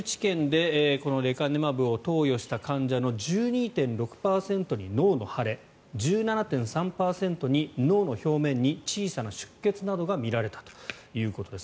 最終治験でこのレカネマブを投与した患者の１２．６％に脳の腫れ１７．３％に脳の表面に小さな出血などが見られたということです。